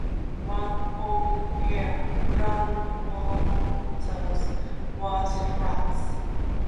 One of her grandmothers was French.